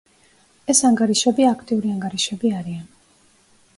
ეს ანგარიშები აქტიური ანგარიშები არიან.